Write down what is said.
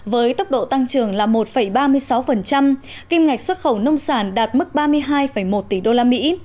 với tốc độ tăng trưởng là một ba mươi sáu kim ngạch xuất khẩu nông sản đạt mức ba mươi hai một tỷ usd